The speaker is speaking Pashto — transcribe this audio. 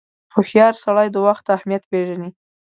• هوښیار سړی د وخت اهمیت پیژني.